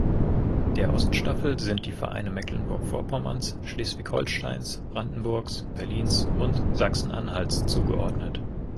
Der Ost-Staffel sind die Vereine Mecklenburg-Vorpommerns, Schleswig-Holsteins, Brandenburgs, Berlins und Sachsen-Anhalts zugeordnet.